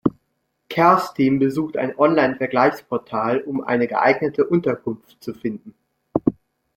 Kerstin besuchte ein Online-Vergleichsportal, um eine geeignete Unterkunft zu finden.